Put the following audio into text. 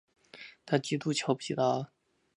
她极度瞧不起他